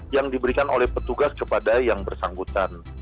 yang diberikan oleh petugas kepada yang bersangkutan